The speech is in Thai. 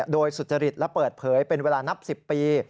โดยสุจริตและเปิดเผยเป็นเวลานับ๑๐ปี